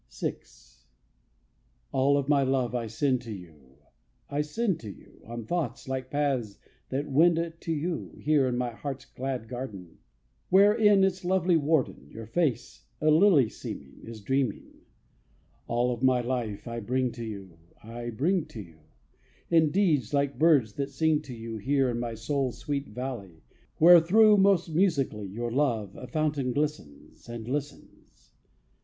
VI. All of my love I send to you, I send to you, On thoughts, like paths, that wend to you, Here in my heart's glad garden, Wherein, its lovely warden, Your face, a lily seeming, Is dreaming. All of my life I bring to you, I bring to you, In deeds, like birds, that sing to you, Here, in my soul's sweet valley, Wherethrough, most musically, Your love, a fountain, glistens, And listens.